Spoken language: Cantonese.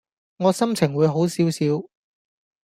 我心情會好少少